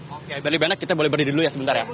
oke beri banyak kita boleh beri dulu ya sebentar ya